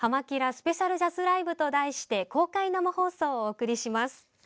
スペシャルジャズライブと題して公開生放送をお送りします。